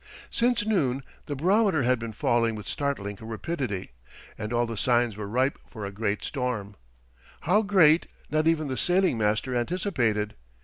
Since noon the barometer had been falling with startling rapidity, and all the signs were ripe for a great storm—how great, not even the sailing master anticipated.